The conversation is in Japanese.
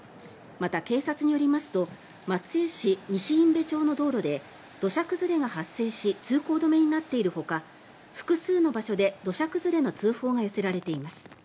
また、警察によりますと松江市西忌部町の道路で土砂崩れが発生し通行止めになっているほか複数の場所で土砂崩れの通報が寄せられています。